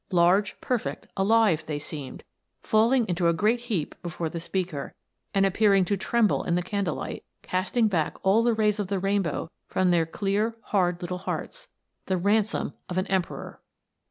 Large, perfect, alive they seemed, falling into a great heap before the speaker, and appearing to tremble in the candle light, casting back all the rays of the rainbow from their clear, hard little hearts — the ransom of an emperor.